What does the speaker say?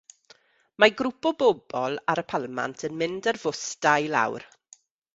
Mae grŵp o bobl ar y palmant yn mynd ar fws dau lawr.